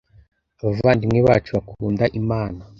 abavandimwe bacu bakunda imana.